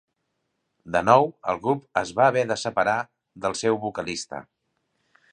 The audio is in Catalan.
De nou, el grup es va haver de separar del seu vocalista.